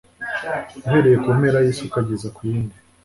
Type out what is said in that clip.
uhereye ku mpera y’isi ukageza ku yindi